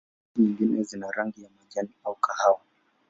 Spishi nyingine zina rangi ya majani au kahawa.